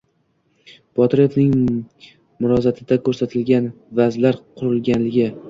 Botirovning muroƶaatida korsatilgan vaƶlar qurganligi